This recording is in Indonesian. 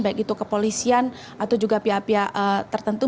baik itu kepolisian atau juga pihak pihak tertentu